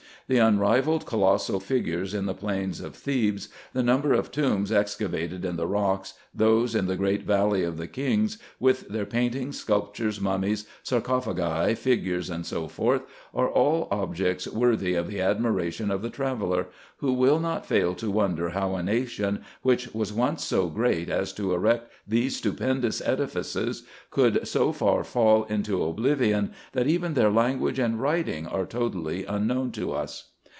The unrivalled colossal figures in the plains of Thebes, the number of tombs excavated in the rocks, those in the great valley of the kings, with their paintings, sculptures, mummies, sarcophagi, figures, &c. are all objects worthy of the admiration of the traveller; who will not fail to wonder how a nation, which was once so great as to erect these stupendous edifices, could so far fall into oblivion, that even their language and writing are totally unknown to us.